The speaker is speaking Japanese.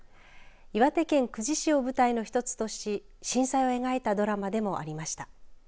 岩手県久慈市を舞台の一つとし震災を描いたドラマでもありました。